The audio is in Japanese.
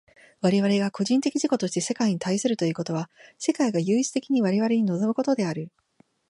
我々が個人的自己として世界に対するということは、世界が唯一的に我々に臨むことである。